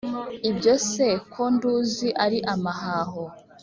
… ibyo se ko nduzi ari amahaho